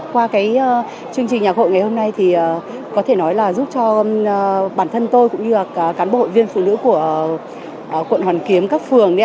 qua chương trình nhạc hội ngày hôm nay thì có thể nói là giúp cho bản thân tôi cũng như cán bộ hội viên phụ nữ của quận hoàn kiếm các phường